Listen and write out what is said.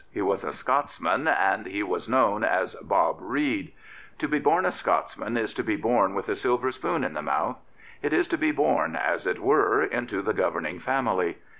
He was a Scotsman and he was known as Bob Reid. To be bom a Scotsman is to be born with a silver spoon in the mouth. It is to be born, as it were, into the governing family.